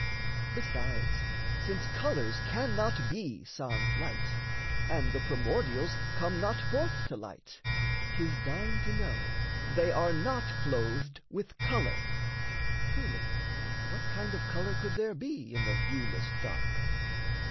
Besides, since colours cannot be, sans light, And the primordials come not forth to light, 'Tis thine to know they are not clothed with colour Truly, what kind of colour could there be In the viewless dark?